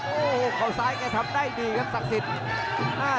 โอ้โหเขาซ้ายแกทำได้ดีครับศักดิ์สิทธิ์